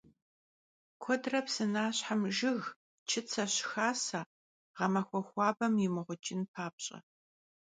Kuedre psınaşhem jjıg, çıtse şıxase, ğemaxue xuabem yimığuç'ın papş'e.